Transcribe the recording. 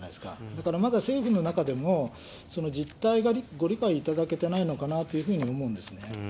だからまだ政府の中でも、その実態がご理解いただけてないのかなと思うんですね。